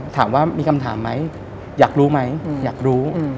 ถามว่ามีคำถามไหมอยากรู้ไหมอยากรู้